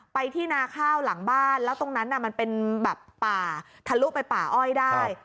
ไปที่นาข้าวหลังบ้านแล้วตรงนั้นมันเป็นแบบป่าทะลุไปป่าอ้อยได้